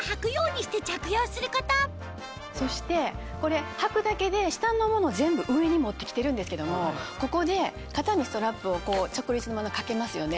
そしてこれはくだけで下のものを全部上に持って来てるんですけどもここで肩にストラップを掛けますよね。